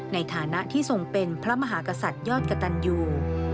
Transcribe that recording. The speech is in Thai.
ในฐานะที่ทรงเป็นพระมหากษัตริยอดกระตันยู